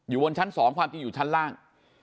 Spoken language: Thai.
อยู่บนชั้นสองความจริงอยู่ชั้นล่าง